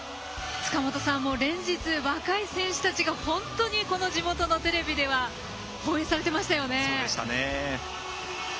塚本さん、連日若い選手たちが本当に、この地元のテレビでは放映されていましたよね。